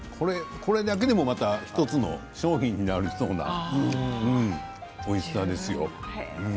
これだけでも１つの商品になりそうなおいしさですよ。